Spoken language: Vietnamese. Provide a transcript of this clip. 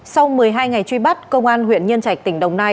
sau một mươi hai ngày truy bắt công an huyện nhân trạch tỉnh đồng nai